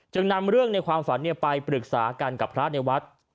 นำเรื่องในความฝันไปปรึกษากันกับพระในวัด